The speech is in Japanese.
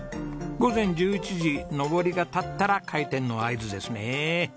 午前１１時のぼりが立ったら開店の合図ですね。